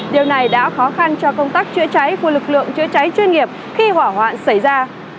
điều này đã khó khăn cho công tác chữa cháy của lực lượng chữa cháy chuyên nghiệp khi hỏa hoạn xảy ra